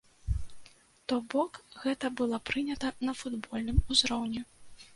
То бок гэта было прынята на футбольным узроўні.